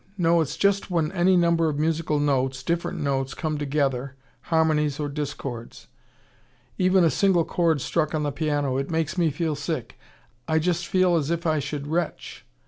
No, it's just when any number of musical notes, different notes, come together, harmonies or discords. Even a single chord struck on the piano. It makes me feel sick. I just feel as if I should retch.